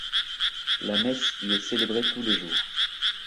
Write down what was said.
La messe y est célébrée tous les jours.